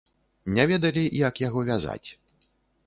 Не ведалі, як яго вязаць.